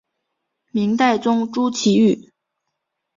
明代宗朱祁钰。